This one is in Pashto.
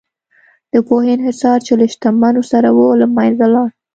د پوهې انحصار چې له شتمنو سره و، له منځه لاړ.